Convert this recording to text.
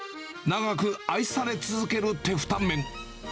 長く愛され続けるテフタンメン。